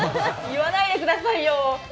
言わないでくださいよ。